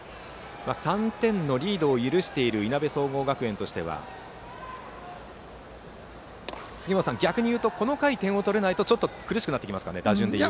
３点のリードを許しているいなべ総合学園としては杉本さん、逆に言うとこの回、点を取れないとちょっと苦しくなってきますか打順でいうと。